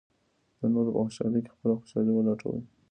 د نورو په خوشالۍ کې خپله خوشالي ولټوئ.